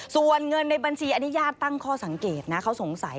ส่วนเงินในบัญชีอันนี้ญาติตั้งข้อสังเกตนะเขาสงสัย